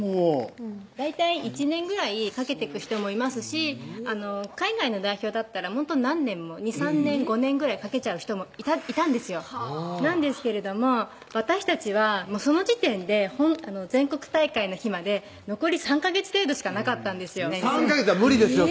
大体１年ぐらいかけてく人もいますし海外の代表だったらもっと何年も２３年５年ぐらいかけちゃう人もいたんですよなんですけれども私たちはその時点で全国大会の日まで残り３ヵ月程度しかなかったんですよ３ヵ月じゃ無理ですよ